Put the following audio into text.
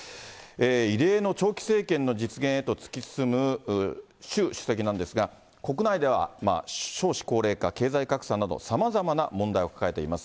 異例の長期政権の実現へと突き進む習主席なんですが、国内では少子高齢化、経済格差など、さまざまな問題を抱えています。